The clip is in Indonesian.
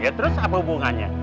ya terus apa hubungannya